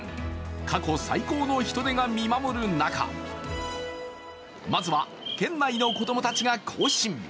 過去最高の人出が見守る中、まずは、県内の子供たちが行進。